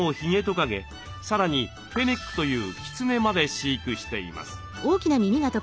さらにフェネックというキツネまで飼育しています。